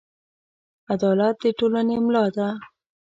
عدالت د ټولنې ملا ده.